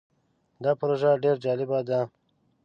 دا پروژه ډیر جالبه ده.